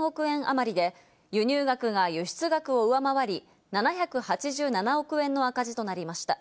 あまりで、輸入額が輸出額を上回り、７８７億円の赤字となりました。